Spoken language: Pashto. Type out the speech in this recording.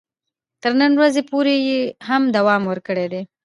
تر نن ورځې پورې یې هم دوام ورکړی دی.